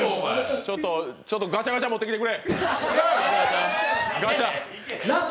ちょっとガチャガチャ持ってきてくれ。